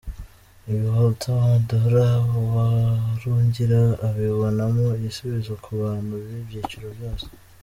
Ibi Walter Bandora Uwarugira abibonamo igisubizo ku bantu b’ibyiciro byose.